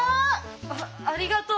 あありがとう。